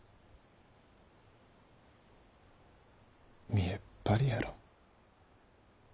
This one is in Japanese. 見えっ張りやろ。